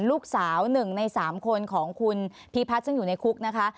ลูกสาว๑ใน๓คนของคุณพีพัฒน์ซึ่งอยู่ในคุกนะคะ